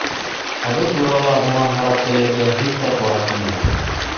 Ә был турала унан һорап белергә һис тә тура килмәне.